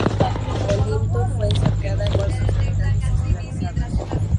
Olinto fue saqueada y sus habitantes esclavizados.